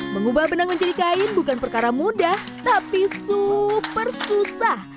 mengubah benang menjadi kain bukan perkara mudah tapi super susah